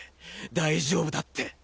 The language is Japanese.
大丈夫だって。